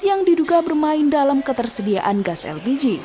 yang diduga bermain dalam ketersediaan gas lpg